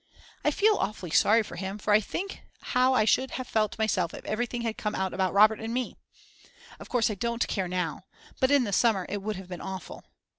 I feel awfully sorry for him, for I think how I should have felt myself if everything had come out about Robert and me. Of course I don't care now. But in the summer it would have been awful.